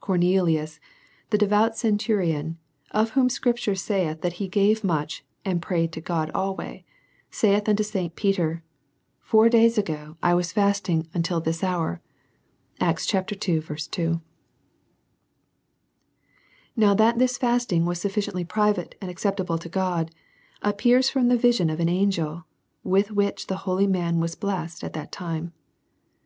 Cornelius, the devout centurion, of whom the scrip tures saith, that he gave much, and prayed to God alway, saith unto St. Peter, Four days ago, I icas fasting until this hour, Acts x. 2. Now that this fasting was sufficiently private and acceptable to God, appears from the vision of an an gel, with which the holy man was blessed at that time.